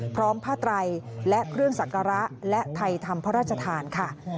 พร้อมผ้าไตรและเครื่องสักการะและไทยธรรมพระราชทานค่ะ